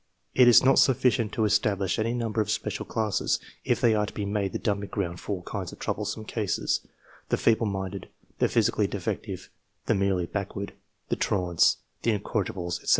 It is not sufficient to establish any number of special classes, if they are to be made the dumping ground for all kinds of troublesome cases the feeble minded, the physi cally defective, the merely backward, the truants, tie in corrigibles, etc.